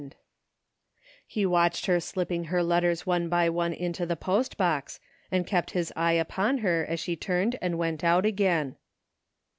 173 THE FINDING OF JASPER HOLT He watched her slipping her letters one by one into the post box, and kept his eye upon her as she turned and went out again.